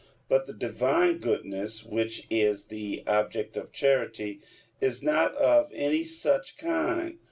But the Divine goodness, which is the object of charity, is not of any such kind.